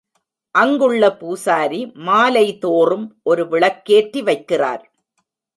அங்குள்ள பூசாரி மாலைதோறும் ஒரு விளக்கேற்றி வைக்கிறார்.